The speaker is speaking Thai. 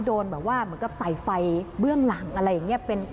โดนแบบว่าเหมือนกับใส่ไฟเบื้องหลังอะไรอย่างนี้